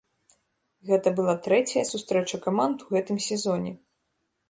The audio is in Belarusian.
Гэта была трэцяя сустрэча каманд у гэтым сезоне.